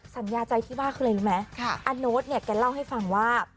สัญญาใจที่มากเลยรู้ไหมอานโน๊ตเนี่ยแกเล่าให้ฟังว่า